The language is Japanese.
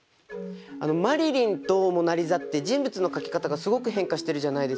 「マリリン」と「モナ・リザ」って人物の描き方がすごく変化してるじゃないですか。